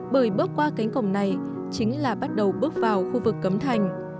bởi bước qua cánh cổng này chính là bắt đầu bước vào khu vực cấm thành